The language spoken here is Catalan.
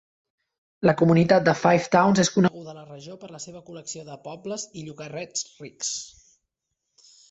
La comunitat de Five Towns és coneguda a la regió per la seva col·lecció de pobles i llogarrets rics.